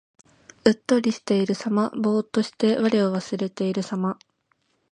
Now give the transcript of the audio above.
うっとりしているさま。ぼうっとして我を忘れているさま。